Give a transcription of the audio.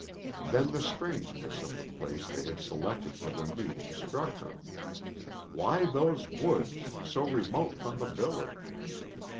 Then the strangeness of the place they had selected for their meeting struck her. Why those woods, so remote from the village?